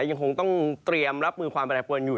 ยังคงต้องเตรียมรับมือความแปรปวนอยู่